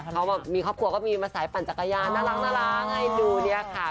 เขามีครอบครัวก็มีมาสายปั่นจักรยานน่ารักให้ดูเนี่ยค่ะ